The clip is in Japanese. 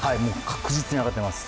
確実に上がっています。